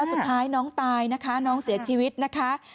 และสุดท้ายน้องตายน้องเสียชีวิตนะคะ